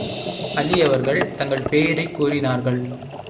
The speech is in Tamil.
அலி அவர்கள், தங்கள் பெயரைக் கூறினார்கள்.